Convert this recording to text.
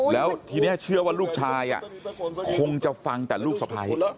แล้วทีนี้เชื่อว่าลูกชายคงจะฟังแต่ลูกสะพ้าย